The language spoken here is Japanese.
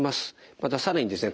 また更にですね